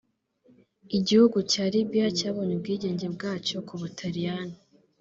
Igihugu cya Libya cyabonye ubwigenge bwacyo ku Butaliyani